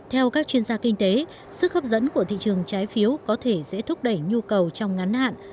theo các chuyên gia kinh tế sức hấp dẫn của thị trường trái phiếu có thể sẽ thúc đẩy nhu cầu trong ngắn hạn